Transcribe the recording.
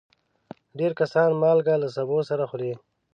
ډېر کسان مالګه له سبو سره خوري.